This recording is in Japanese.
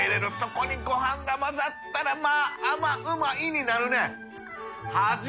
修海ご飯が混ざったらまぁ甘うまい！になるね。